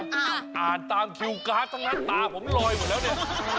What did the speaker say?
อ่านตามคิวการ์ดทั้งนั้นตาผมลอยหมดแล้วเนี่ย